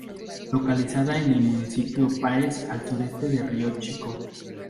Localizada en el Municipio Páez al sureste de Río Chico.